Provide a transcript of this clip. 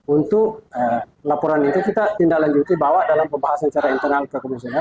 untuk laporan itu kita tindak lanjuti bahwa dalam pembahasan secara internal ke komisioner